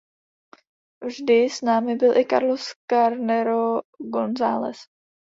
Vždy s námi byl i Carlos Carnero González.